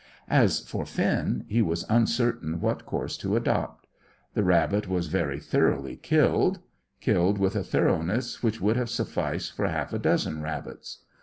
As for Finn, he was uncertain what course to adopt. The rabbit was very thoroughly killed; killed with a thoroughness which would have sufficed for half a dozen rabbits.